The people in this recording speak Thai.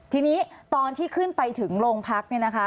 ทีนี้ตอนที่ขึ้นไปถึงโรงพักเนี่ยนะคะ